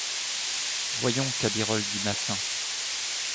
Voyons, Cabirolle, dit Massin